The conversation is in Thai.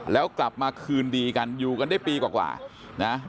แล้วกลับมาคืนดีกันอยู่กันได้ปีกว่านะ